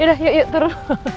yaudah yuk yuk turun